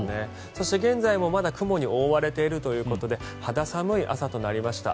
そして、現在もまだ雲に覆われているということで肌寒い朝となりました。